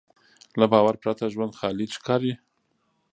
له باور پرته ژوند خالي ښکاري.